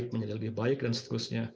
menjadi lebih baik dsb